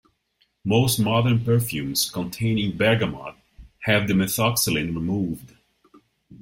Most modern perfumes containing bergamot have the Methoxsalen removed.